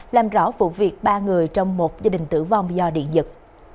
làm rõ vụ việc ba người trong một gia đình tử vong do điện giật